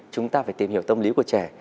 chúng ta phải tìm hiểu tâm lý của trẻ